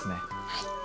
はい。